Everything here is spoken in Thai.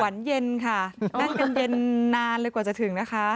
วันเย็นค่ะนั่งกันเย็นนานเลยกว่าจะถึงนะคะ